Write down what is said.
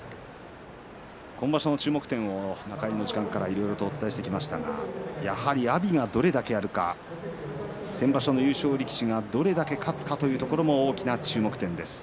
今場所の注目点を中入りの時間からいろいろお伝えしてきましたがやはり阿炎がどれだけやるか先場所の優勝力士がどれだけ勝つかというところも大きな注目点です。